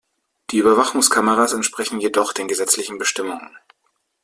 Die Überwachungskameras entsprechen jedoch den gesetzlichen Bestimmungen.